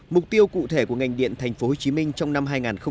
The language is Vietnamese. mục tiêu cụ thể của ngành điện tp hcm trong năm hai nghìn một mươi bảy